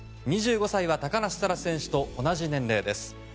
２５歳は高梨沙羅選手と同じ年齢です。